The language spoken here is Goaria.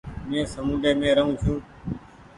مين سامونڊي مين رهون ڇون ۔